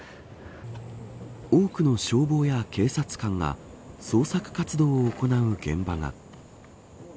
多くの消防や警察官が捜索活動を行う現場が。